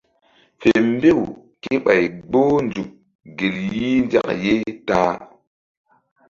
Fe mbew kéɓay gboh nzuk gel yih nzak ye ta-a.